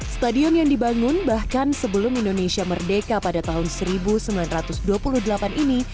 stadion yang dibangun bahkan sebelum indonesia merdeka pada tahun seribu sembilan ratus dua puluh delapan ini